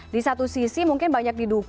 di satu sisi mungkin banyak didukung